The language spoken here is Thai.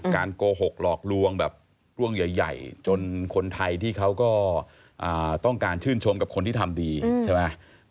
โกหกหลอกลวงแบบเรื่องใหญ่จนคนไทยที่เขาก็ต้องการชื่นชมกับคนที่ทำดีใช่ไหม